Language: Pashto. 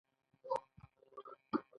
په درېیم پړاو کې د توکو د پانګې په ډول وه